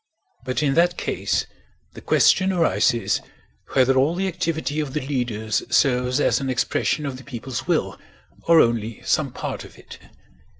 But in that case the question arises whether all the activity of the leaders serves as an expression of the people's will or only some part of it.